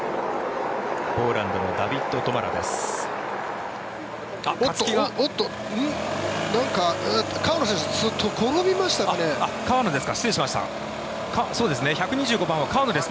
ポーランドのダビッド・トマラです。